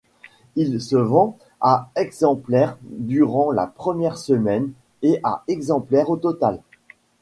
Il se vend à exemplaires durant la première semaine et à exemplaires au total.